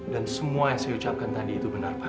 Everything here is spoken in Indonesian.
dan semua yang saya ucapkan tadi itu benar pak